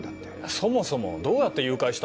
そもそもどうやって誘拐したんだよ？